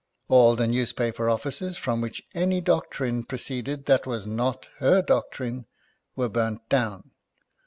All the newspaper offices from which any doc trine proceeded that was not her doctrine, were burnt down.